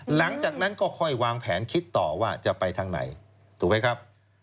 หลังจากนั้นก็ค่อยวางแผนคิดต่อว่าจะไปทางไหนถูกไหมครับ